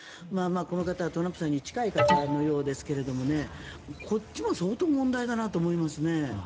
この方はトランプさんに近い方のようですけどもこっちも相当問題だなと思いますね。